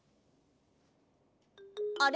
あれ？